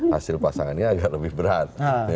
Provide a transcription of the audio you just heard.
hasil pasangannya agak lebih berat